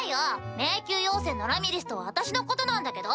迷宮妖精のラミリスとは私のことなんだけど！